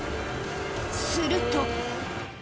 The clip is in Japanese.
すると。